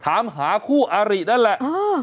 ถามหาคู่อารินั่นแหละ